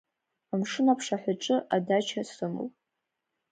Амшын аԥшаҳәаҿы адача сымоуп.